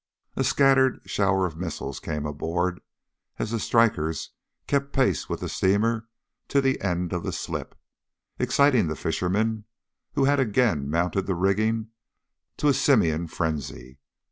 A scattered shower of missiles came aboard as the strikers kept pace with the steamer to the end of the slip, exciting the fishermen, who had again mounted the rigging, to a simian frenzy.